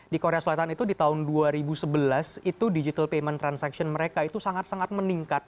di korea selatan itu di tahun dua ribu sebelas itu digital payment transaction mereka itu sangat sangat meningkat